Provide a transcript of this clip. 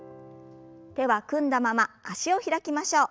手は組んだまま脚を開きましょう。